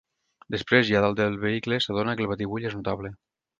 Després, ja dalt del vehicle, s'adona que el batibull és notable.